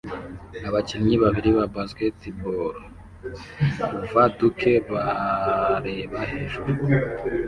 Abakinnyi babiri ba basketball kuva duke bareba hejuru